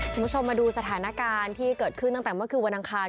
คุณผู้ชมมาดูสถานการณ์ที่เกิดขึ้นตั้งแต่เมื่อคืนวันอังคาร